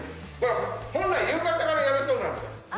本来夕方からやるそうなんです。